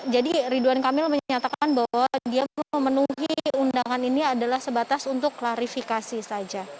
jadi ridwan kamil menyatakan bahwa dia memenuhi undangan ini adalah sebatas untuk klarifikasi saja